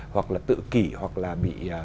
hoặc là tự kỷ hoặc là bị